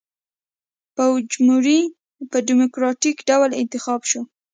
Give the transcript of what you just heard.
فوجیموري په ډیموکراټیک ډول انتخاب شو.